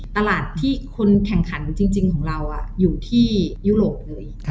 ตลาดที่คนนิดนึงแข่งขันจริงของเราอยู่ที่เยอโหลปเลย